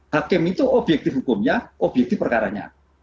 hakim itu objektif hukumnya objektif perkaranya